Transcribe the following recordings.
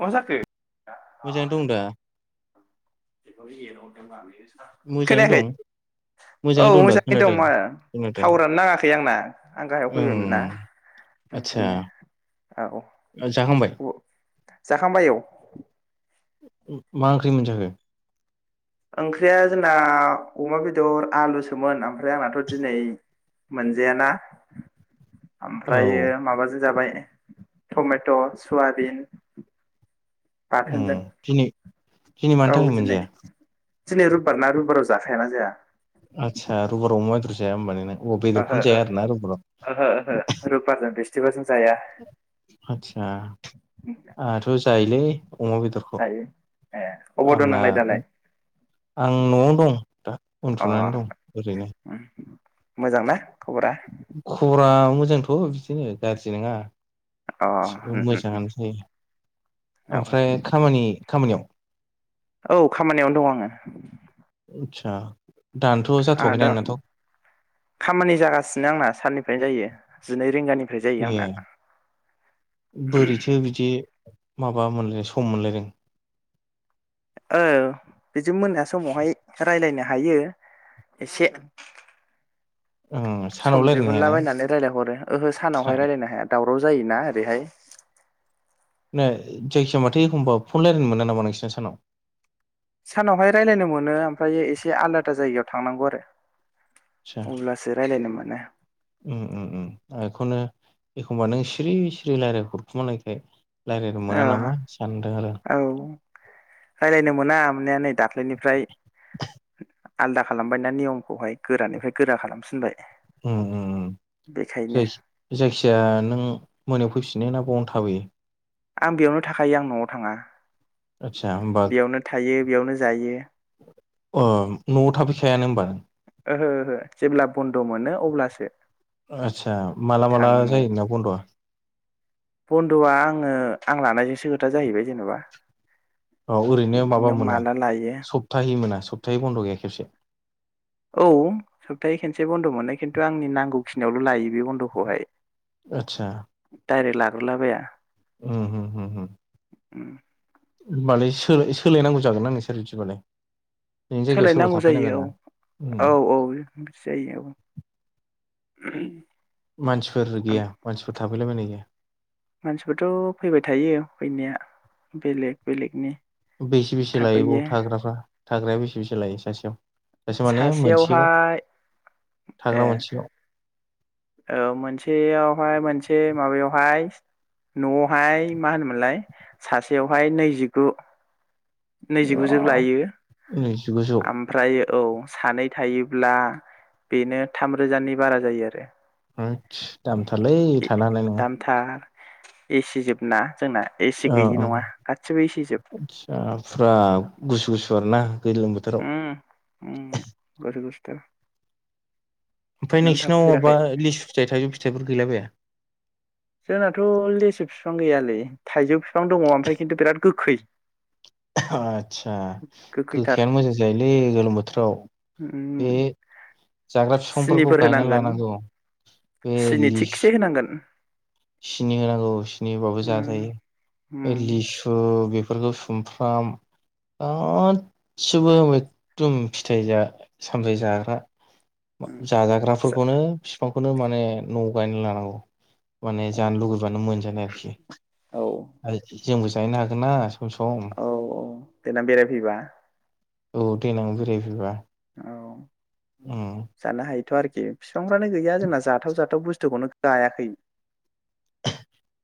मा जाखो मोजाङै दं दा [unintelligible] मोजाङै खोनायाखै दं औ मोजाङै दं दा मोजाङैनो खोनादों दंमोन खोनादों थावारानो नाङाखै आंना आं गाहायाव फैबायमोन ना ओं आदसा ओंखायनो जाखांबाय औ जाखांबाय औ [unintelligible] मा ओंख्रि मोनजाखो ओंख्रिया जोंना अमा बेदर आलुसोमोन ओमफ्राय आंनाथ दिनै मोनजायाना ओमफ्रयो औ माबाजो जाबाय टमेट' सवाबिन उम दिनै दिनै औ मानि थाखाय दिनै मोनजाया दिनै रुबबार ना रुबबाराव जाखायाना जोंहा आदसा रूबबाराव अमा बेदर जाया होनबा नों ना ओहो उहो ओहो रुबबारजों [unintelligible] आदसा आहाथ जायो बे अमा बेदरखो जायो ए अबाव दं आंना नोंलाय दालाय आं न'आवनो दं दा उन्दोनानै दं ओरैनो मोजांना खबरा? खबरा मोजांथ बिदिनो गाज्रि नङा अ मोजाङानो जायो औ ओमफ्राय खामानि खामानियाव औ खामानियावनो दं आङो आदसा दानोथ' जाथ'वाखै आदा नोंनाथ' खामानि जागासिनो आंना साननि फ्राय जायोै जिनै रिंगानि फ्राय जायो ए आंना बोरैथो बिदि माबा मोनलायनो सम मोनलायदों औ बिदि मोना समावहाय रायलायनो हायो एसे ओं सम सानाव रायलायनो हायाना दिहुनलाबायायनानै रायलायहरो ओहो सानावहाय सान रायलायनो हाया दाव राव जायोना ओरैहाय नो जायसमाथाय एखमबा फन रायलायनो मोना नामा नोंसिना सानाव सानावहाय रायलायनो मोनो ओमफ्राय एसे आलादा जायगायाव थांनांगौ आरो आदसा अब्लासो रायज्लायनोमोन नो उम उम उम एखौनो एखमबा नों सिरि सिरि रायलाय हरखुमानायखाय ओ औ रायलायनो मोना मोननाया नै दाख्लैनिफ्राय आलदा खालामबाय ना नियमखौहाय गोरानिफ्राय गोरा खालामसिनबाय। उम उम उम जाय-जायखिया नों मोनायाव फैफिनो ना बावनो थाबोयो। आं बेयावनो थाखायो आं न'आव थाङा। आस्सा होम्बा बेयावनो थायो बेयावनो जायो। अ न'आव थाफैखायानो होमबा नों? ओहो ओहो जेब्ला बन्द' मोनो अब्लासो। आत्सा माला माला थाङो न'आव जायो नोंना बन्द'आ? बन्द'आ आङो आं लानायजोंसो खोथा जाहैबाय जेन'बा। औ ओरैनो माबा मोना लायो सप्ताहै मोना सप्ताहै बन्द' गैया खेबसे? औ सप्ताहै खनसे बन्द' मोनो खिन्थु आंनि नांगौ खिनियावल' लायो बे बन्द'खौहाय। आतसा हरलाबाया उम उम होम होम उम होमबालाय सोल-सोलायनांगौ जागोन ना नोंसोर बिदिबालाय? नोंनि जायगायाव सोरबा सोलायनांगौ थाफैनांगोन जायो ना उम औ औ औ जायो औ। ओहोम मानसिफोर गैया मानसिफोर थाफैला बायनाय गैया? मानसिफोरथ' फैबाय थायो फैनाया बेलेग बेलेगनि बेसे बेसे लायो बाव थाफैयो थाग्राफ्रा? थाग्राया बेसे बेसे लायो सासेयाव? सासे माने मोनसेयाव सासेयावहाय थाग्रा ए मोनसेयाव? औ मोनसेयावहाय मोनसे माबायावहाय न'आवहाय मा होनोमोनलाय सासेयावहाय नैजिगु नैजिगुजौ हाब लायो नैजिगुजौ आमफ्रायो औ सानै थायोब्ला बेनो थामरोजानि बारा जायो आरो। होम दामथारलै थानो हानाय नङा। एसिजोबना औ औ जोब आच्छा फुरा गुसु गुसु दनना ओम ओम बार गुसु द' ओमफाय नोंसिनाव माबा लिसु फिथाइ थाइजौ फिथाइफोर गैलाबाया? जोंनाथ' लेसु बिफां गैयालै थाइजौ बिफां दङ ओमफ्राय खिन्थु बिराद गोखै। [unintelligible] आदसा गोखैथार गोखैयानो मोजां जायोलै गोलोम बोथोराव उम बे जाग्रा बिफांफोरखौ सिनिफोर गायना होनांगोन लानांगौ बे सिनि थिगसे लिसु [unintelligible] सिनि होनांगौ सिनि होबाबो जा उम थायो उम लिसु बि फोरखौ सुमफ्राम गासिबो एखदम फिथाइ सामथाइ जाग्रा उम जा जाजाग्राफोरखौनो बिफांखौनो माने न'आव गायना लानांगौ। माने उम, जानो लुगैबानो मोनजानाय आरोखि औ आरोखि। जोंबो जाहैनो हागोन ना? सम सम औ औ देन बेराय फैबा औ देेनां बेरायफैबा औ उम जानो हायोथ' आरो ए बिफांफ्रानो गैया जोंना जाथाव जाथाव बुस्थुखौनो गायाखै।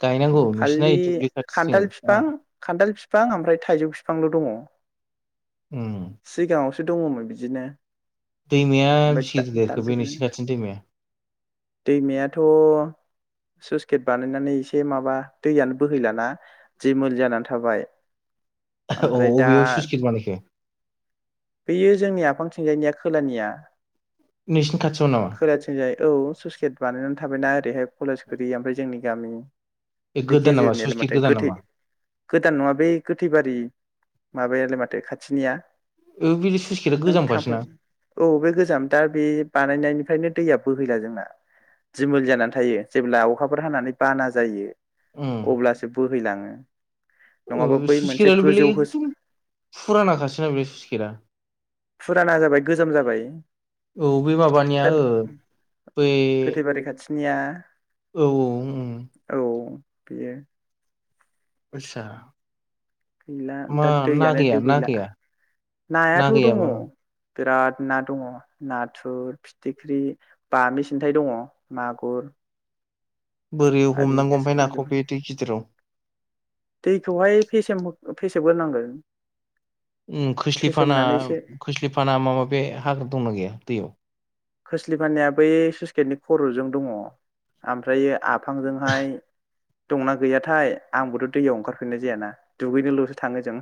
गायनांगौ उम नोंसिना खालि दुब्लि खाथिजों खान्थाल फिफां खान्थाल फि बिफां ओमफ्राय थाइजौ बिफांल' दङ उम [unintelligible] दङमोन। बिदिनो दैमाया बेसे गिदिर ओमफ्राय देरखो बै दानफैजोबबाय नोंसिनि खाथिनि दैमाया सुस गेट बानायनानै एसे माबा दैयानो बोहैलाना जि मोल जानानै थाबाय औ ओमफ्राय दा अबेयाव सुसखेत बानायखो? बियो जोंनि आफांथिंजायनिया खोलानिया नोंसिनि खाथि खोलाथिंजाय औ सुइस गेट बानायनानै थाबायना ओरैहाय कलेजगुरि ओमफाय जोंनि गामि ए बे गोदान नामा स्लुइस गेजेरनियालाय गेट माथो गोदान गोथै नामा गोदान नङा बे गोथैबारि माबायालाय माथो खाथिनिया? ओ बे स्लुइस गेटआ नों थांफेर गोजामखासोना औ बे गोजाम दा बे बानायनायनि नो दैया बोहैला जोंना दिमोल जानानै थायो जेब्ला अखाफोर हानानै बाना जायो उम अब्लासो बो फैलाङो ओ सुइस गेटआलाय बेलाय एकदम फुरानाखासोना आरो बेलाय सुइस गेटआ। फुराना जाबाय गोजाम जाबाय। औ बे माबानिया दा ओ बै गोथैबारि [inaudible] औ औ उम औ बेयो ओस्सा गैला दा दैयानो ना दुबैला गैया नायाथ' ना दङ। गैयाबा बिराद ना दंङ नाथुर फिथिख्रि बामि सिन्थायाइ दंङ मागुर बोरै आरि हमनांगौ ओमफाय गासिबो नाखौ दंजोबो बे दै गिदिराव फेसेवग्रो नांगो ओम खोस्लिफाना खोस्लिफाना माबा बे हाग्रा दंना गैया दैयाव? खोस्लि फाननाया बै स्लुइस गेटनि खर'जों दङ ओमफ्र आफांजोंहाय दंना गैयाथाय आंबोथ' दैयाव ओंखारफिननाय जायाना दुगैनोल'सो थाङो जों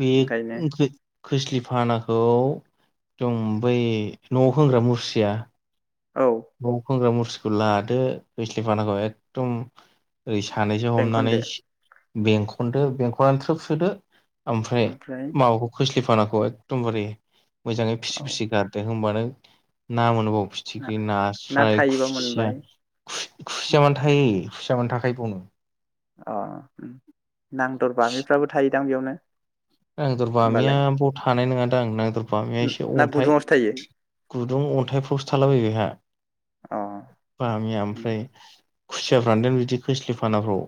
बे ओंखायनो खो-खोस्लि फानाखौ जों बै न'आव होंग्रा मुस्रिया औ मौ खोंग्रा मु सकुल लादो खैस्लि फानाखौ एकदम अै सानैसो हमनानै बेंखनदो बेंखनदो बेंखनानो थ्रोब सोदो। ओमफ्राय माखौ खोस्लिफाना औ एकदमबारे मोजाङै फिसि औ फिसि गारदो होमबानो ना मोनबाव फिथि ना बे ना नास्राय थायोबा खुसिया मोनबाय खु-खुसिया मानो थायो। फिसा मोन थाखाय बुङो अ नांदर बामिफ्राबो थायो दां बेयावनो नांदर बामिया होमबालाय बाव थानाय नङादां नांदर बामिया एसे ना अन्थाइ गुदुङावसो थायो गुदुं अन्थाइफ्रावसो थालाबाय बेहा अ बामिया उम ओमफ्राय खुसियाफ्रान दोन बिदि खोस्लिफानाफ्राव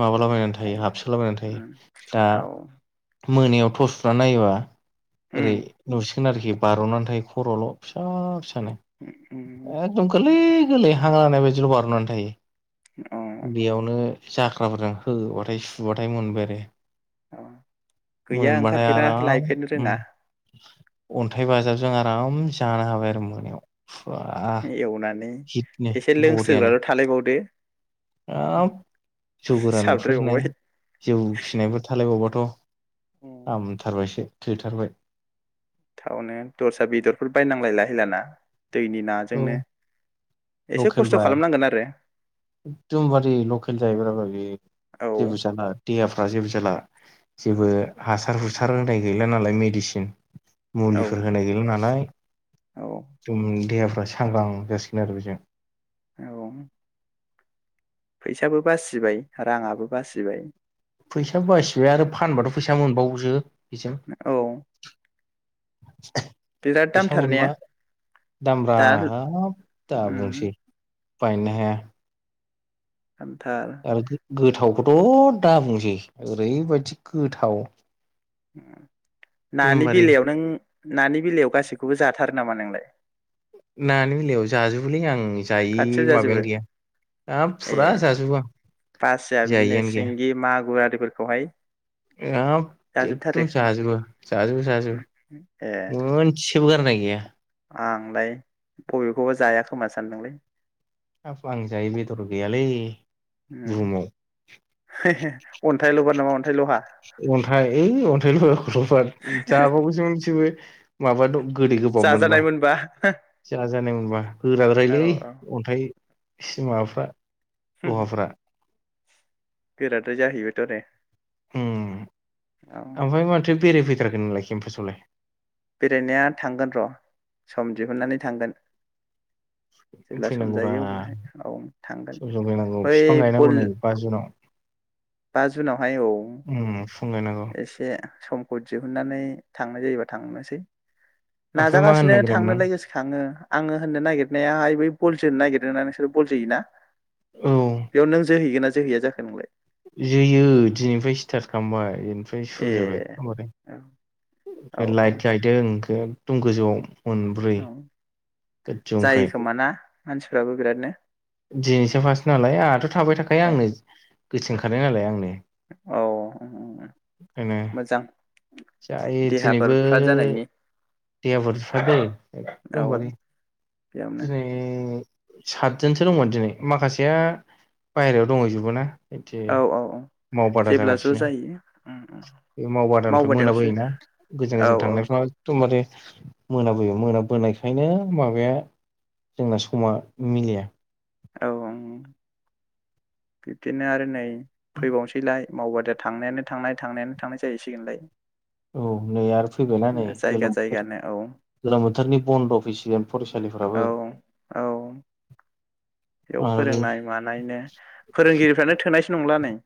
माबाला बायनानै थायो हाबसोलाबायनानै उम थायो दा औ मोनायाव टर्सना नायबा। औरै नुसि बारना आरोखि बारनानै थायो खरल फिसा फिसा। उम [unintelligible] उम एकदम गोरलै गोरलै। गोरलै हां लानायबायदिल बारनानै थायो। अ बेयावनो जाख्राफोरजों होबाथाय सुबाथाय मोनबाय अ आरो। गैया मोनबाजाय ओंखारफेरा आराम लायफेरनो उम रोङा अन्थाइ बाजाबजों आराम जानो हाबाय आरो मोनायाव। फुरा एवनानै हिटनो एसे बरियानो लोंसोग्राल थालायबावदो हाब जौ गोरानफोर नो साबद्रायबावबाय जौ फिसिनायफोर थालायबावबाथ। हामथारबायसो थोथारबाय। थावनो दस्रा बेदरफोर बायनांलायला हैलाना। औ एसे खस्थ' लकेलब्रा खालामनांगोन आरो एकदमबारे लकेल जाहैबायब्रा बे औ जेबो साना देहाफ बा जेबो जाला जेबो हास हासार हुसार होनाय गैला नालाय मेडिसिन। औ मुलिफोर होनाय गैला नालाय। औ दुम देहा- सांग्रां जासिगोन आरो बेजों। औ फैसाबो बासिबाय राङाबो बासिबाय। फैसाबो बासिबाय आरो फानबाथ फैसा मोनबायोसो। औ। बिराद फैसा दामथार ने मोनबा दामब्रा दा हाब दा उम बुंसै [unintelligible] हाया खानथाल आरो गोथावखौथ दा बुंसै ओरैबायदि गोथाव। नानि एकदमबारे बेलायाव नों नानि बेलायाव गासैखौबो जाथारो नामा नोंलाय? नानि बेलायाव जाजोबोलै आं। जाइ गासिबो जाजोबो माबायानो गैया हाब ए फुरा जाजोबो आं जायैआनो गैया। फोरखौहाय हाब एखदम जाजोबो जाजोबो ए जाजोबो मोनसेबो गारनाय गैया आंलाय बबेखौबो जाया खोमा सानदोंलै आंजाय बेदर गैयालै [inaudible] ओम बुहुमाव अन्थाइल' बार नामा अन्थाइल'हा। अन्थाइ [unintelligible] ओ माबा दं। गोदै जा जानायमोनबा हो जानाय मोनबा गोराद्रायलै अन्थाइ माबाफ्रा। लहाफ्रा गोराद्राय जाहैबायथ' दे। ओम ओमफाय माथो बेरायफैथ्राखै नोंलाय केमपासावलाय। बेरायनाया थांगोन र' सम दिहुननानै थांगोन जेब्ला सम फैनांगौब्रा जायो अब्लाहाय औ थांगोन सम सम फैनांगौ बिफां बै गायनांगौ बल नै बा जुनाव बा जुनावहाय औ बिफां गायनांगौ एसे समखौ दिहुननानै थांनाय जायोबा। थांनोसै ओमफ्राय मा होननो नाजागासिनो नागिरदोंमोन आं थांनोलाय गोसोखाङो आङो होननो नागिरनायाहाय बै। बल जोनो नागिरदोंना नोंसोर बल जोयोना? औ बेवनो। जोहै गोनना जोहैया जाखो नोंलाय जोयो दिनैफ्राय स्टार्ट खालामबाय ओमफ्राय ए सुरु जाबाय [unintelligible] औ ओमफ्राय औ लाइट गायदों [inaudible] एक दम गोजौआव। मोनब्रै औ गोजौ जायो ओमफ्राय खोमा ना। मानसिफ्राबो बिरादनो दिनैसो फार्स्ट नालाय आंहाथ' थाबाय थाखायो औ आंनो गोसोखांखादों नालाय आंनो औ ओंखायनो मोजां जायो देहाफोर दिनैबो फ्राद जानायनि देहाफोर फ्राद जायो औ एकदमबारे बेयावनो [inaudible] सातजोनसो दंमोन दिनै माखासेया बायेरायाव दंहैजोबो ना। बिदि औ औ औ मावबादा जेब्ला ज' जागासिनो जायो उम उम बे मावबादानिफ्राय मावबादायावसो मोनाबोयोना गोजान औ गोजान औ थांनायफ्राव एखद'मबारे मोनाबोयो मोनाबोनायखायनो माबाया जोंना समा मिलाया औ औ औ बिबदिनो आरो नै फैबावसैलाय मावबा दा थांनायानो थांनाय थांनायानो थांनाय जाहैसिगोनलाय। औ नै आरो फैबायना नै जायगा गोलोम बोथोर जायगानो औ गोलोम बोथोरनि बन्द फैसिगोन औ फरायसालिफोराबो। औ बेयाव फोरोंनाय मानायनो फोरोंगिरिफ्रानो थोनायसो नंला नै [inaudible]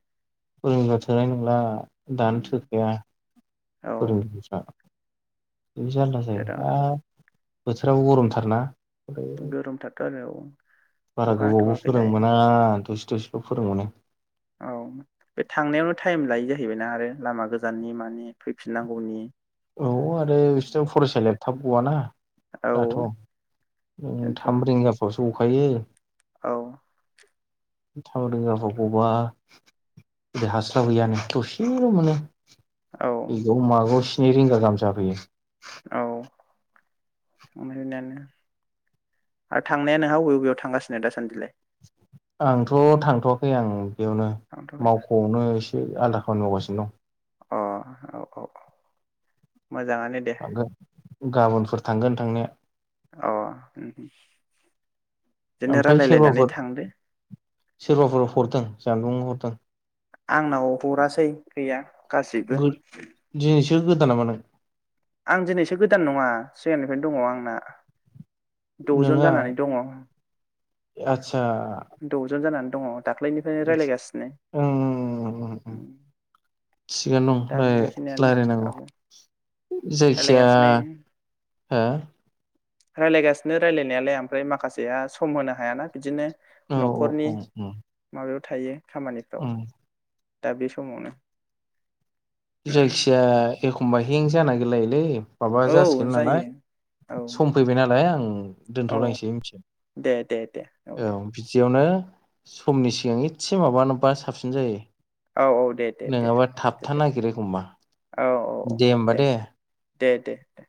फोरोंग्रा थोनाय नंला दानो थोखाया औ फोरोंगिरिफ्रा जालला जायो आ बिराद बोथोराबो गरमथारना? ओमफ्राय गोरमथारथ आरो औ बारा अखा गोबावबो हाथ'वाखैलाय फोरोंमोना दस-दस खौ फोरोंबावनो फैबाय ना आरो लामा गोजाननि माने फैफिननांगौनि औ आरो बिसोर फरायसालिया थाब गवाना औ दाथ'‌। ओम बेनोथ' थाम रिंगा फ्रावस गखायो। औ। थाव रोगाबावगौबा बे हास्लाब हैयानो दसे [unintelligible] औ नै रिंगा गाहाम जाफैयो। औ ओमफ्राय दाना ओ थांनाया नोंहा अबे अबेयाव थांगासिनो दासान्दिलाय? आंथ' थांथवाखै आं बेयावनो थांथ'बाय मावख'आवनो एसे [unintelligible] आलादा खामानि मावगासिनो दं। अ औ औ। मोजाङानो दे [unintelligible] गाबोन फोर थांगोन थांनाया औ उम उम ओमफ्राय सोरबाफोर सोरबाफोर हरदों जानबुं हटाल आंनाव हरासै गैया गासैबो जों गोदान नामा नों आं दिनैसो गोदान नङा सिगांनिफ्रायनो दङ आंना। दजन नोङा जानानै दङ आदसा दजन जानानै दङ दाख्लैनिफ्रायनो रायलायगासिनो ओं थिगानो दा दं राय बेखिनियानो औ रायलायनांगौ। जायखिया रायलायगासिनो हो रायलायगासिनो रायलायनायालाय ओमफ्राय माखासेया सम होनो हायाना बिदिनो औ न'खरनि औ माबायाव थायो खामानिफ्राव औ दा बे समावनो जायखिजाया एख खमबा हिंसा नागिरलायोलै माबा औ जासिगोन नालाय जायो औ सम फैबाय नालाय आं औ दोनथ'लायसै दे दे दे मिथिदों दे औ बिदियावनो समनि सिगां इथसे माबानोबा साबसिन जायो औ दे दे दे नोङाबा दे थाबथा दे नागिरो। औ औ औ दे दे दे दे।